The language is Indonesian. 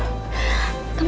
kamu harus sabar roy